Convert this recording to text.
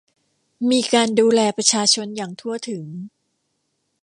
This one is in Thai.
มีการดูแลประชาชนอย่างทั่วถึง